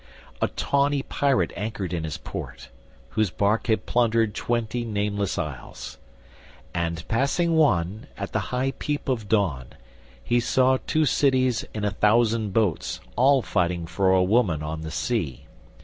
A tawny pirate anchored in his port, Whose bark had plundered twenty nameless isles; And passing one, at the high peep of dawn, He saw two cities in a thousand boats All fighting for a woman on the sea.